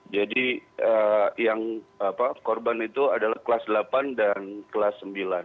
jadi yang apa korban itu adalah kelas delapan dan kelas sembilan